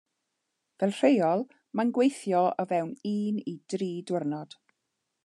Fel rheol mae'n gweithio o fewn un i dri diwrnod.